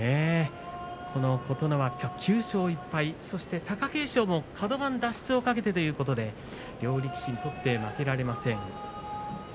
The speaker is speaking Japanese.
この琴ノ若、９勝１敗そして貴景勝はカド番脱出を懸けて、ということで両力士にとって負けられません。